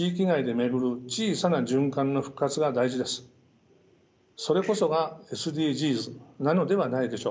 それこそがＳＤＧｓなのではないでしょうか。